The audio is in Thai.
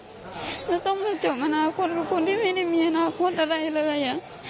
จะต้องไปเจอมนาคตกับคนที่ไม่มีอนาคตอะไรเลย